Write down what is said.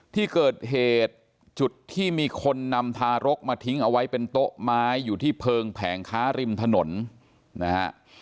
ที่เกิดเหตุจุดที่มีคนนำทารกมาทิ้งเอาไว้เป็นโต๊ะไม้อยู่ที่เพลิงแผงค้าริมถนนนะฮะ